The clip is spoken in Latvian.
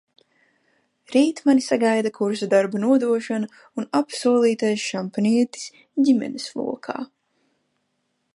Rīt mani sagaida kursa darba nodošana un apsolītais šampanietis ģimenes lokā.